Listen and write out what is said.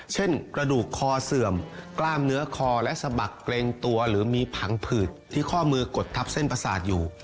กระดูกคอเสื่อมกล้ามเนื้อคอและสะบักเกรงตัวหรือมีผังผืดที่ข้อมือกดทับเส้นประสาทอยู่